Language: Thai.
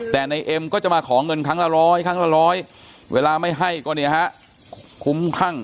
แต่ในเอ็มก็จะมาขอเงินครั้งละร้อยครั้งละร้อยเวลาไม่ให้ก็คุ้มข้าง